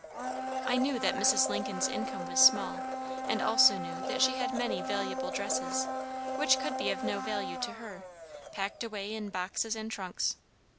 I knew that Mrs. Lincoln's income was small, and also knew that she had many valuable dresses, which could be of no value to her, packed away in boxes and trunks.